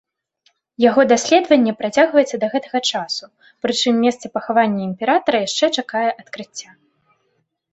Яго даследаванне працягваецца да гэтага часу, прычым месца пахавання імператара яшчэ чакае адкрыцця.